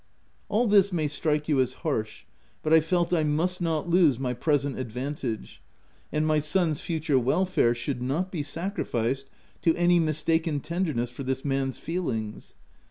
204 THE TENANT All this may strike you as harsh, but I felt I must not lose my present advantage, and my son's future welfare should not be sacrificed to any mistaken tenderness for this man's feelings.